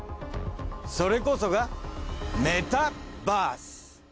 それこそがメタバース。